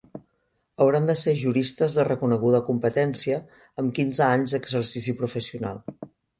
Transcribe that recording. Hauran de ser juristes de reconeguda competència, amb quinze anys d’exercici professional.